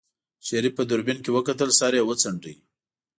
شريف په دوربين کې وکتل سر يې وڅنډه.